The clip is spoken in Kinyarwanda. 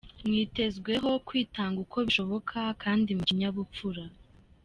Mwitezweho kwitanga uko bishiboka kandi mu kinyabupfura.”